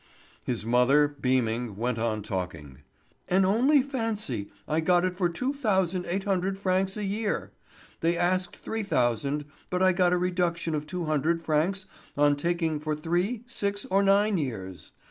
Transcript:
His mother, beaming, went on talking: "And only fancy, I got it for two thousand eight hundred francs a year. They asked three thousand, but I got a reduction of two hundred francs on taking for three, six, or nine years.